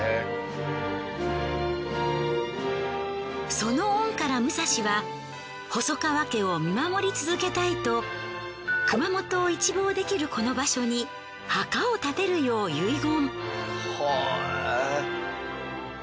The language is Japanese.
その恩から武蔵は細川家を見守り続けたいと熊本を一望できるこの場所に墓を建てるよう遺言。